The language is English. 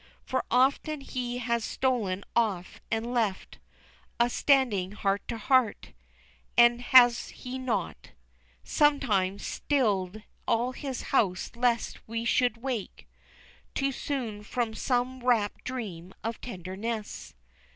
For often has he stolen off and left Us standing heart to heart, And has he not Sometimes, stilled all his house lest we should wake Too soon from some wrapt dream of tenderness?